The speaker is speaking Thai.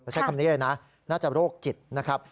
ใช้คำนี้เลยนะน่าจะโรคจิตนะครับ